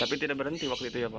tapi tidak berhenti waktu itu ya pak